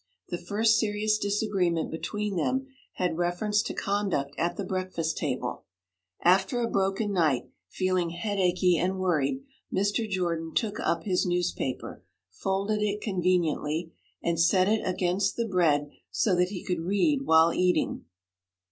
The first serious disagreement between them had reference to conduct at the breakfast table. After a broken night, feeling headachy and worried, Mr. Jordan took up his newspaper, folded it conveniently, and set it against the bread so that he could read while eating.